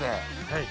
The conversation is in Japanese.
はい。